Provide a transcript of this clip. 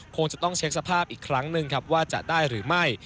คงจะต้องเช็คสภาพอีกครั้งหนึ่งครับว่าจะได้หรือไม่